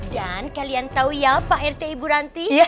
dan kalian tahu ya pak rt ibu ranti